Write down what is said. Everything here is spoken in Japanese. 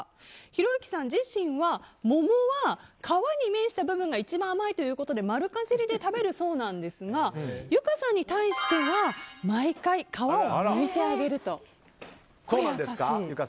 ひろゆきさん自身は桃は皮に面した部分が一番甘いということで丸かじりで食べるそうですがゆかさんに対しては毎回、皮をむいてあげると。